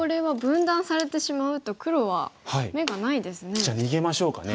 じゃあ逃げましょうかね。